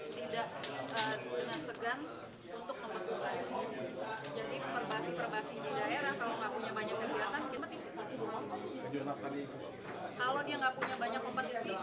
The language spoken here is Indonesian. kita harus untuk memperbaiki jadi perbasi perbasi di daerah kalau tidak punya banyak kesehatan kita tisu